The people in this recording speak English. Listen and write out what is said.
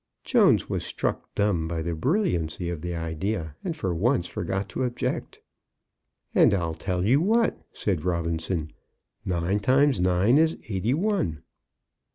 Jones was struck dumb by the brilliancy of the idea, and for once forgot to object. "And, I'll tell you what," said Robinson "nine times nine is eighty one."